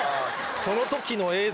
その時の映像。